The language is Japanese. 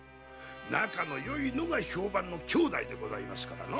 仲のよいのが評判の兄妹でございますからな。